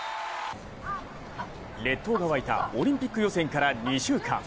列島が湧いた、オリンピック予選から２週間。